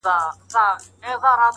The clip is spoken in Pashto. بس په نغري کي د بوډا مخ ته لمبه لګیږي؛